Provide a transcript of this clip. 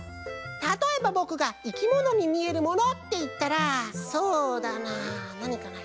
たとえばぼくが「いきものにみえるもの」っていったらそうだななにかな。